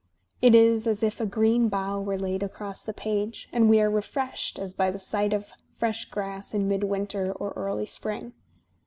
It is as if a green bough were laid across the page, and we are refreshed as by the sight of fresh grass in midwinter or early spring.